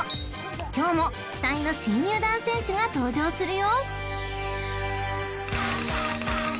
今日も期待の新入団選手が登場するよ］